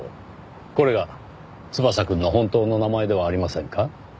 これが翼くんの本当の名前ではありませんか？